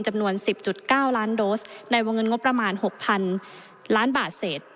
จำนวน๑๐๙ล้านโดสในวงเงินงบประมาณ๖๐๐๐ล้านบาทเศษ